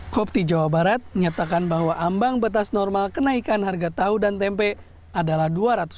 kopti jawa barat menyatakan bahwa ambang batas normal kenaikan harga tahu dan tempe adalah dua ratus